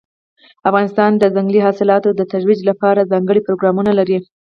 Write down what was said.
افغانستان د ځنګلي حاصلاتو د ترویج لپاره ځانګړي پروګرامونه لري.